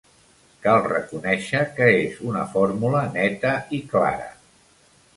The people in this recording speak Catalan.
Cal reconèixer que és una fórmula neta i clara.